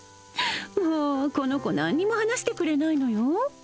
もうこの子何にも話してくれないのよ